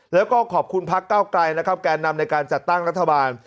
แล้วก็ขอบคุณภักดิ์ก้าวไกลแกนำในการจัดตั้งรัฐบาล